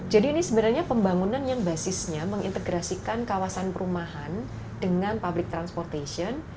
jadi ini sebenarnya pembangunan yang basisnya mengintegrasikan kawasan perumahan dengan public transportation